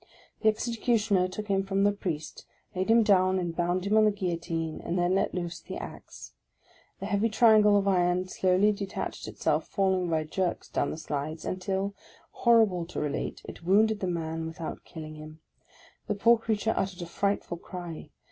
The Executioner took him from the Priest ; laid him down and bound him on the Guillotine, and then let loose the axe. The heavy triangle of iron slowly detached itself, falling by jerks down the slides, until, horrible to relate, it wounded the man, without killing him! The poor creature uttered a frightful cry.